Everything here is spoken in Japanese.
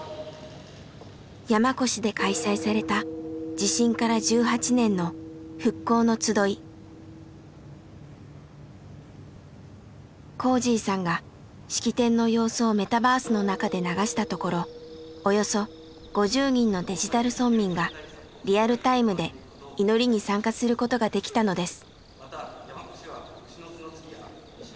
山古志で開催されたこーじぃさんが式典の様子をメタバースの中で流したところおよそ５０人のデジタル村民がリアルタイムで祈りに参加することができたのです。